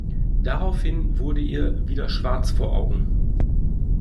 Daraufhin wurde ihr wieder schwarz vor Augen.